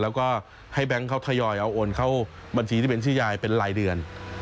แล้วก็ให้แบงค์เขาทยอยเอาโอนเข้าบัญชีที่เป็นชื่อยายเป็นรายเดือน